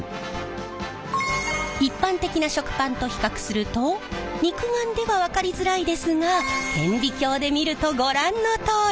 一般的な食パンと比較すると肉眼では分かりづらいですが顕微鏡で見るとご覧のとおり！